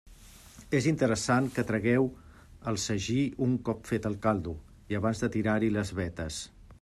És interessant que tragueu el sagí un cop fet el caldo i abans de tirar-hi les vetes.